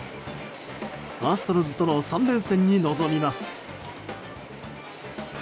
アストロズとの３連戦に臨みます。